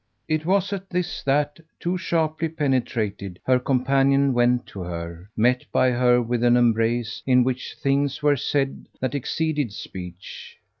It was at this that, too sharply penetrated, her companion went to her, met by her with an embrace in which things were said that exceeded speech.